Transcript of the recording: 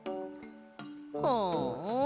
はあ。